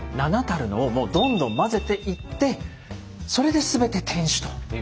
７たるのをもうどんどん混ぜていってそれで全て天酒ということに。